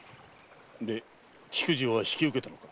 で菊路は引き受けたのか？